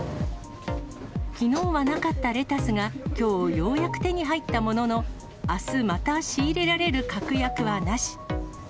きのうはなかったレタスが、きょう、ようやく手に入ったものの、あす、また仕入れられる確約はなし。